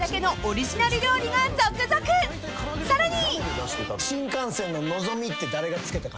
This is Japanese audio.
［さらに！］